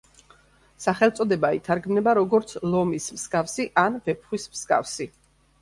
სახელწოდება ითარგმნება როგორც „ლომის მსგავსი“ ან „ვეფხვის მსგავსი“.